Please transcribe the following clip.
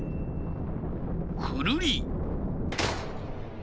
くるり。